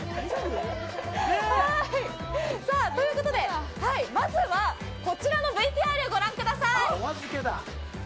ということでまずはこちらのＶＴＲをご覧ください。